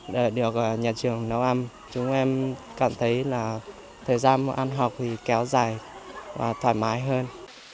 để được nhà trường nấu ăn chúng em cảm thấy là thời gian ăn học thì kéo dài và thoải mái hơn